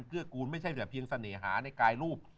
ื้อกูลไม่ใช่เหลือเพียงเสน่หาในกายรูป